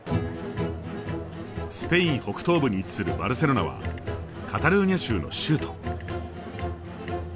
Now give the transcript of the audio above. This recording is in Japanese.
スペイン北東部に位置するバルセロナはカタルーニャ州の州都。